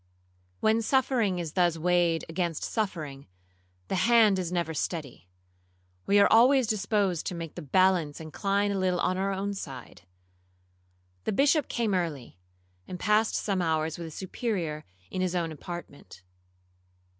When suffering is thus weighed against suffering, the hand is never steady; we are always disposed to make the balance incline a little on our own side. The Bishop came early, and passed some hours with the Superior in his own apartment.